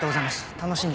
楽しんで。